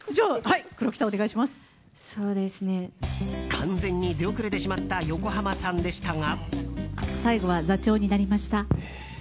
完全に出遅れてしまった横浜さんでしたが。